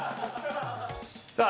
さあ